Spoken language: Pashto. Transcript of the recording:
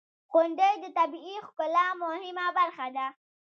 • غونډۍ د طبیعی ښکلا مهمه برخه ده.